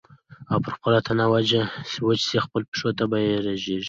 او پر خپله تنه وچ سې خپلو پښو ته به رژېږې